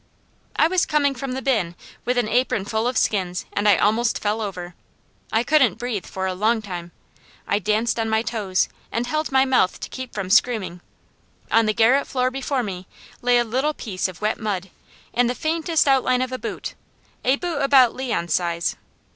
I was coming from the bin with an apron full of skins and I almost fell over. I couldn't breathe for a long time. I danced on my toes, and held my mouth to keep from screaming. On the garret floor before me lay a little piece of wet mud, and the faintest outline of a boot, a boot about Leon's size.